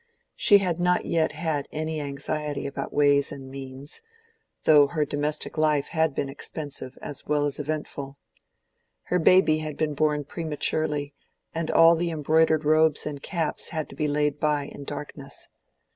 She had not yet had any anxiety about ways and means, although her domestic life had been expensive as well as eventful. Her baby had been born prematurely, and all the embroidered robes and caps had to be laid by in darkness.